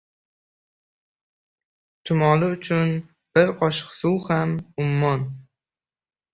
• Chumoli uchun bir qoshiq suv ham ― ummon.